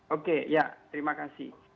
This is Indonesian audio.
oke ya terima kasih